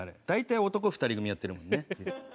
大体男２人組やってるもんね。